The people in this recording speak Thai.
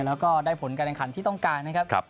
แล้วก็ได้ผลการแข่งขันที่ต้องการนะครับ